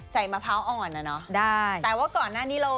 ใส่มะเพราอ่อนอะเนอะ